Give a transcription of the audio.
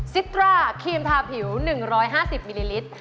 ซิตราครีมทาผิว๑๕๐มิลลิลิตร